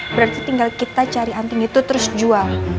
berarti tinggal kita cari anting itu terus jual